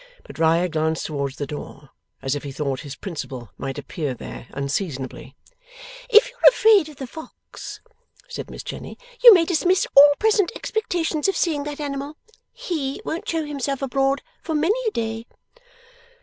But Riah glanced towards the door, as if he thought his principal might appear there, unseasonably. 'If you're afraid of the fox,' said Miss Jenny, 'you may dismiss all present expectations of seeing that animal. HE won't show himself abroad, for many a day.